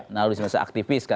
naluri sebagai aktivis